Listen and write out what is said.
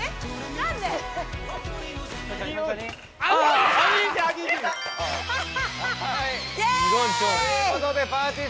何で？ということでぱーてぃー